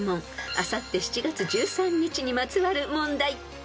［あさって７月１３日にまつわる問題］